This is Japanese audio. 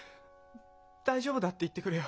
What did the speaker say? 「大丈夫だ」って言ってくれよ。